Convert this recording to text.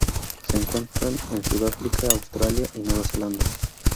Se encuentran en Sudáfrica, Australia y Nueva Zelanda.